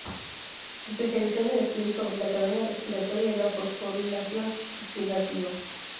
Se especializó en el estudio sobre la cadena respiratoria y la fosforilación oxidativa.